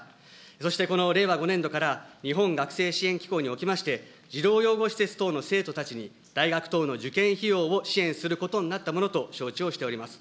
そしてこの令和５年度から、日本学生支援機構におきまして、児童養護施設等の生徒たちに、大学等の受験費用を支援することになったものと承知をしております。